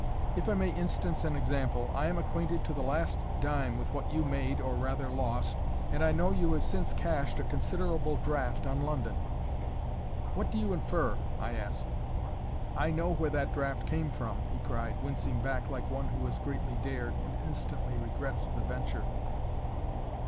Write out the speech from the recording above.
If I may instance an example, I am acquainted to the last dime with what you made (or rather lost), and I know you have since cashed a considerable draft on London." "What do you infer?" I asked. "I know where that draft came from," he cried, wincing back like one who has greatly dared, and instantly regrets the venture.